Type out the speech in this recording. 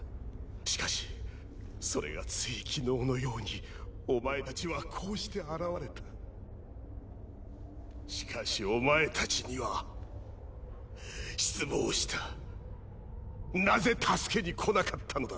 しかしそれがつい昨日のようにお前達はこうして現れたしかしお前達には失望したなぜ助けに来なかったのだ？